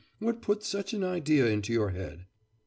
What put such an idea into your head?